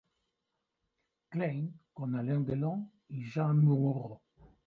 Klein" con Alain Delon y Jeanne Moreau.